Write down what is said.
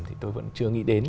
thì tôi vẫn chưa nghĩ đến